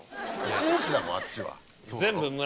真摯だもんあっちは。